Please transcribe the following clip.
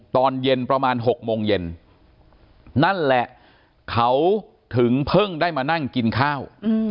ตอนเย็นประมาณ๖โมงเย็นนั่นแหละเขาถึงเพิ่งได้มานั่งกินข้าว